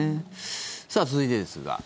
さあ、続いてですが。